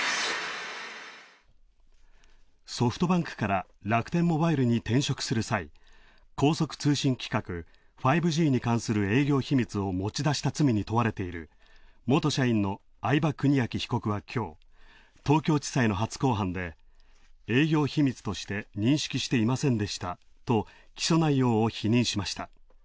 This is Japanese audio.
ソフトバンクから楽天モバイルに転職する際、高速通信規格５Ｇに関する、営業秘密を持ち出した罪に問われている元社員の合場邦章被告がきょう、東京地裁の初公判で営業秘密として認識していませんでしたと起訴内容を否認しました。